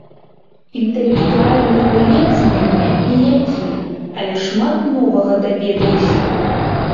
Інтэлектуальны гулец з мяне ніякі, але шмат новага даведаўся.